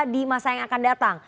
di masa yang akan datang